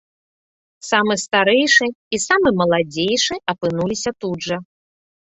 Самы старэйшы і самы маладзейшы апынуліся тут жа.